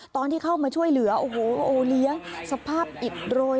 ตอนที่เข้ามาช่วยเหลือโอ้โหโอเลี้ยงสภาพอิดโรย